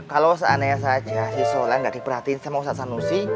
kalau seaneh saja soleh gak diperhatiin sama ustaz sanusi